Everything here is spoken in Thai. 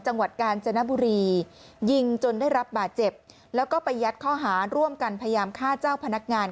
จังหวัดกาญจนบุรียิงจนได้รับบาดเจ็บแล้วก็ไปยัดข้อหาร่วมกันพยายามฆ่าเจ้าพนักงาน